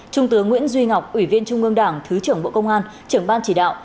trung tướng nguyễn duy ngọc ủy viên trung ương đảng thứ trưởng bộ công an trưởng ban chỉ đạo